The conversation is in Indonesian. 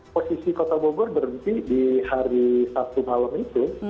posisi kota bogor berhenti di hari sabtu malam itu